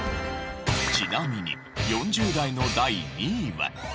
ちなみに４０代の第２位は。